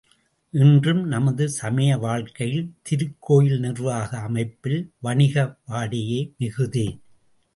இன்றும் நமது சமய வாழ்க்கையில் திருக்கோயில் நிர்வாக அமைப்பில் வணிக வாடையே மிகுதி.